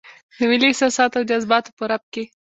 د ملي احساساتو او جذباتو په رپ کې.